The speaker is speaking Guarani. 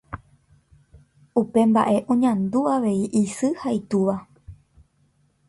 Upe mba'e oñandu avei isy ha itúva.